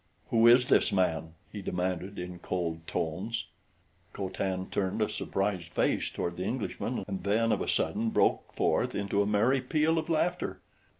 "Who is this man?" he demanded in cold tones. Co Tan turned a surprised face toward the Englishman and then of a sudden broke forth into a merry peal of laughter.